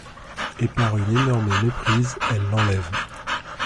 Et, par une énorme méprise, elle l'enlève.